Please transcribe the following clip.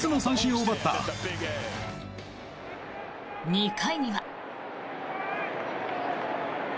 ２回には。